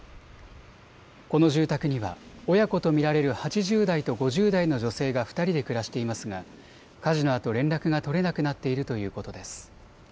この住宅には親子と見られる８０代と５０代の女性が２人で暮らしていますが火事のあと連絡が取れなくなっているということです。